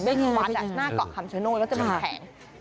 ด้วยวัดหน้าเกาะคำชโนตก็จะเหมือนแผง